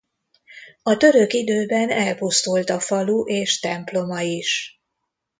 A török időben elpusztult a falu és temploma is.